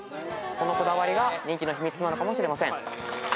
このこだわりが人気の秘密なのかもしれません。